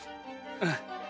うん。